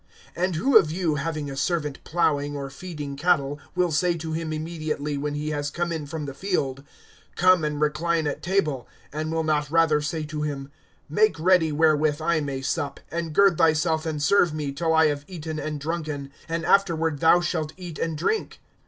(7)And who of you, having a servant plowing, or feeding cattle, will say to him immediately, when he has come in from the field, Come and recline at table; (8)and will not rather say to him, Make ready wherewith I may sup, and gird thyself and serve me, till I have eaten and drunken, and afterward thou shalt eat and drink?